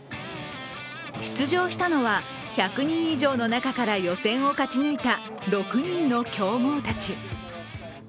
出場したのは１００人以上の中から予選を勝ち抜いた６人の強豪たち。